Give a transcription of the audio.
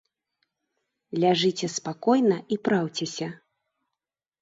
Ляжыце спакойна і праўцеся.